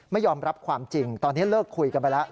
ไม่ยอมรับความจริงตอนนี้เลิกคุยกันไปแล้ว